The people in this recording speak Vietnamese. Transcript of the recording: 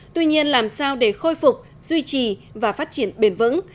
tuy nhiên làm sao để khôi phục duy trì và phát triển bền vững